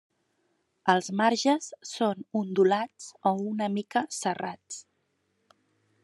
Els marges són ondulats o una mica serrats.